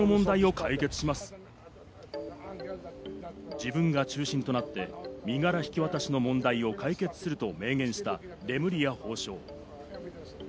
自分が中心となって身柄引き渡しの問題を解決すると明言した、レムリヤ法相。